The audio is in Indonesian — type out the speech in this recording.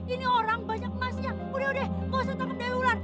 ini orang banyak emasnya udah udah gak usah tangkap dewi ular